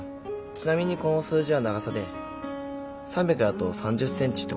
ちなみにこの数字は長さで３００だと３０センチってこと。